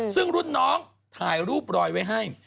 ซึ่งรุ่นน้องถ่ายรูปรอยไว้ให้